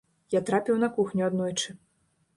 Я трапіў на кухню аднойчы.